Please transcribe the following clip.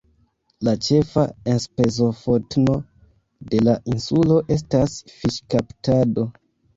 La ĉefa enspezofotno de la insulo estas fiŝkaptado.